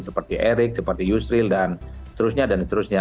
seperti erik seperti yusril dan terusnya dan terusnya